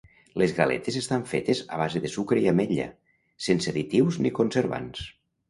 Les galetes estan fetes a base de sucre i ametlla, sense additius ni conservants.